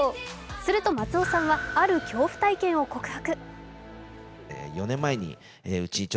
すると松尾さんはある恐怖体験を告白。